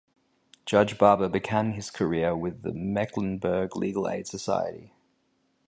Judge Barber began his career with the Mecklenburg Legal Aid Society.